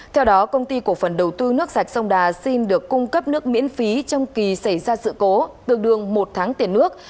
theo đó công ty cổ phần đầu tư nước sạch sông đà xin được cung cấp nước miễn phí trong kỳ xảy ra sự cố tương đương một tháng tiền nước